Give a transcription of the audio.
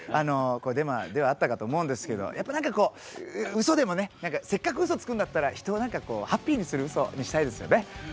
デマではあったかと思うんですけどやっぱ何かこうウソでもねせっかくウソつくんだったら人をハッピーにするウソにしたいですよね。